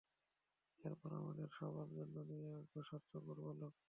এরপর আমাদের সবার জন্য নিয়ে আসবে, স্বার্থপর বালক।